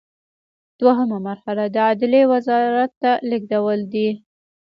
دوهمه مرحله د عدلیې وزارت ته لیږل دي.